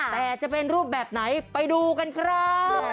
แต่จะเป็นรูปแบบไหนไปดูกันครับ